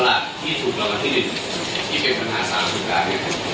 ฯลักษณ์ที่ถูกกำลังที่๑ที่เป็นปัญหาสามสุดการณ์